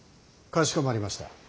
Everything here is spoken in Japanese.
かしこまりました。